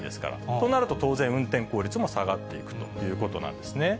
となると当然、運転効率も下がっていくということなんですね。